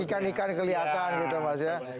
ikan ikan kelihatan gitu mas ya